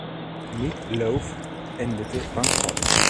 Meat Loaf endete bankrott.